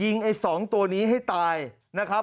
ไอ้๒ตัวนี้ให้ตายนะครับ